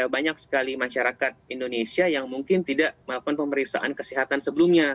banyak sekali masyarakat indonesia yang mungkin tidak melakukan pemeriksaan kesehatan sebelumnya